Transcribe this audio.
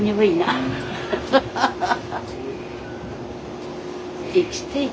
ハハハハッ。